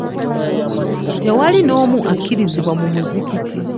Tewali n'omu akkirizibwa mu muzikiti.